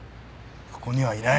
ここにはいない。